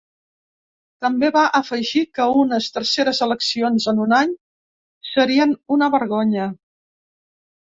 També va afegir que unes terceres eleccions en un any serien ‘una vergonya’.